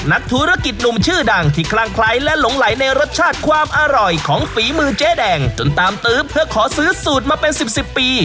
นักธุรกิจหนุ่มชื่อดังที่คลั่งไคร้และหลงไหลในรสชาติความอร่อยของฝีมือเจ๊แดงจนตามตื๊บเพื่อขอซื้อสูตรมาเป็นสิบสิบปี